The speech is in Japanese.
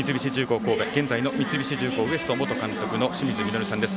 現在の三菱重工Ｗｅｓｔの監督の清水稔さんです。